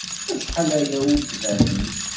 Acḥal aya ur d-tbanemt.